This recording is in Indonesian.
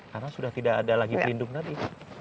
karena sudah tidak ada lagi pelindung tadi